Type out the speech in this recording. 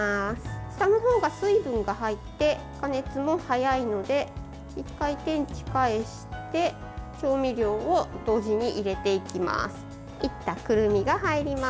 下の方が水分が入って加熱も早いので１回、天地返して調味料を同時に入れていきます。